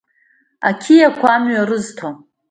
Ақьиақәа амҩа рызҭо.